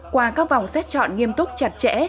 qua các vòng xét chọn nghiêm túc chặt chẽ